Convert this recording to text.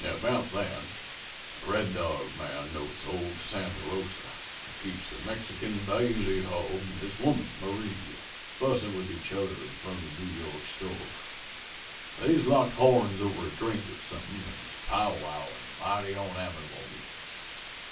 "About then the Red Dog man notes old Santa Rosa, who keeps the Mexican baile hall, an' his old woman, Marie, a fussin' with each other in front of the New York Store. They's locked horns over a drink or something an' is powwowin' mighty onamiable.